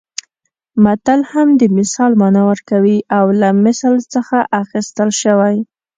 متل هم د مثال مانا ورکوي او له مثل څخه اخیستل شوی